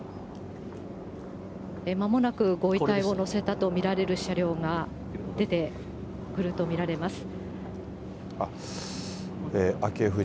まもなくご遺体を乗せたと見られる車両が出てくると見られます。